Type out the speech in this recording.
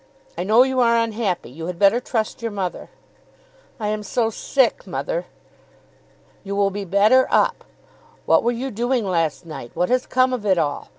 I know you are unhappy. You had better trust your mother." "I am so sick, mother." "You will be better up. What were you doing last night? What has come of it all?